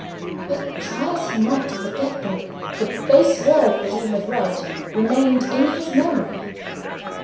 But try as he might to forget them, the base words that he had read remained in his memory.